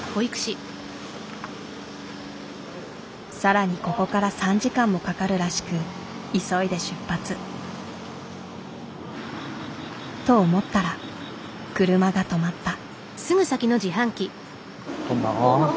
更にここから３時間もかかるらしく急いで出発。と思ったら車が止まった。